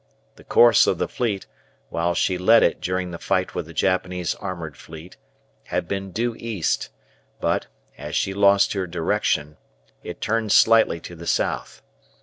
The course of the fleet, while she led it during the fight with the Japanese armoured fleet, had been due east, but, as she lost her direction, it turned slightly to the south.